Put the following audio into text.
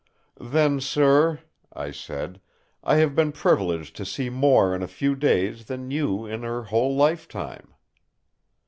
"Then, sir," I said, "I have been privileged to see more in a few days than you in her whole lifetime!"